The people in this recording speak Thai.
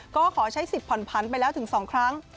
ก็ขอใช้สิทธิผ่อนผันไปแล้วถึง๒ครั้ง